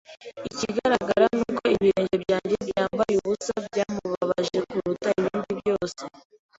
Ikigaragara nuko ibirenge byanjye byambaye ubusa byamubabaje kuruta ibindi byose.